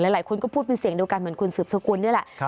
หลายคนก็พูดเป็นเสียงเดียวกันเหมือนคุณสืบสกุลนี่แหละ